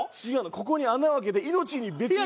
ここに穴を開けて命に別条が。